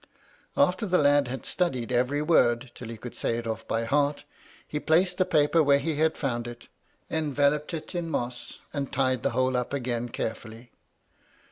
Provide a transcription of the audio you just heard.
After the lad had studied every word, till he could say it oflf by heart, he placed the paper where he had found it, enveloped it in moss, and tied the whole up again carefully.